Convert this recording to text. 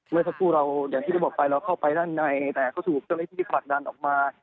เมื่อสักครู่เราอย่างที่เราบอกไปเราเข้าไปด้านในแต่ก็ถูกเจ้าหน้าที่ผลักดันออกมา